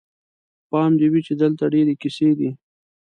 پام دې وي چې دلته ډېرې کیسې دي.